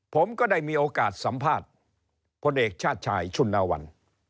ผมก็ได้มีโอกาสสัมภาษณ์พลเอกชาติชายชุนวัน